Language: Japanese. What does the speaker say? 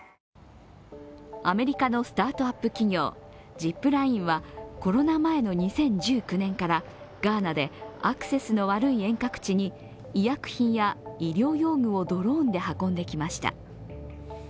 アメリカのスタートアップ企業、ジップラインはコロナ前の２０１９年からガーナでアクセスの悪い遠隔地に医薬品や医療用具をドローンで運んできました。